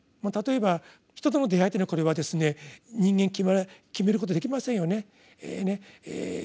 例えば人との出会いっていうのはこれはですね人間決めることできませんよね。